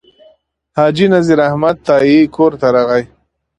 حاجي نذیر احمد تائي کور ته راغی.